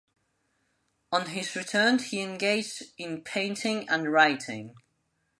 On his return he engaged in painting and writing.